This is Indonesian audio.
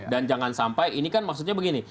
dan jangan sampai ini kan maksudnya begini